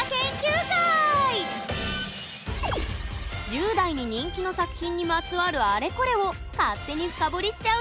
１０代に人気の作品にまつわるあれこれを勝手に深掘りしちゃうよ！